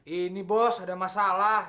ini bos ada masalah